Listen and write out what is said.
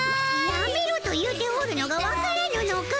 やめろと言うておるのがわからぬのか。